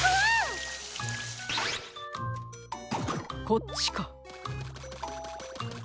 こっちか。